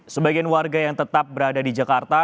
sebagian warga yang tetap berada di jakarta